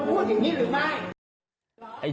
พูดอย่างนี้หรือไม่